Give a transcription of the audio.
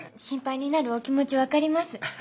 心配になるお気持ち分かります。